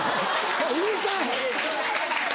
うるさい！